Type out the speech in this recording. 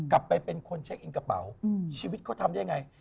เป็นคนเช็คอินกระเป๋าชีวิตเขาทำได้ไง